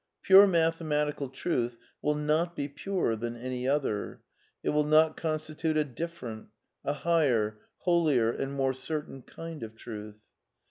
Pure mathematical truth will not be purer than any other ; it will not constitute a different, a higher, holier and more certain kind of truth.